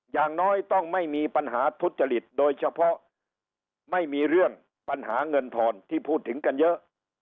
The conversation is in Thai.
อย่างน้อยต้องไม่มีปัญหาทุจริตโดยเฉพาะไม่มีเรื่องปัญหาเงินทอนที่พูดถึงกันเยอะ